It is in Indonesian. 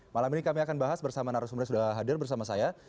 malam ini kami akan bahas bersama narasumber yang sudah hadir bersama saya